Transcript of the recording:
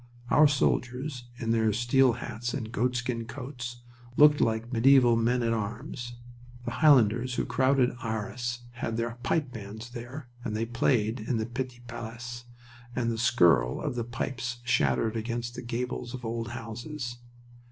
Our soldiers, in their steel hats and goatskin coats, looked like medieval men at arms. The Highlanders who crowded Arras had their pipe bands there and they played in the Petite Place, and the skirl of the pipes shattered against the gables of old houses.